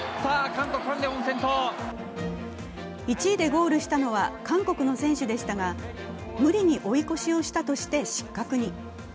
１位でゴールしたのは、韓国の選手でしたが、無理に追い越しをしたとして失格に。